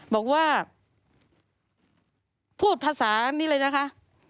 บอกว่าพูดภาษานี่เลยนะคะ